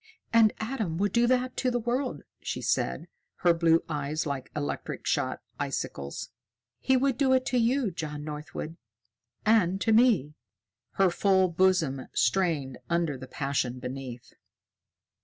"And Adam would do that to the world," she said, her blue eyes like electric shot icicles. "He would do it to you, John Northwood and to me!" Her full bosom strained under the passion beneath.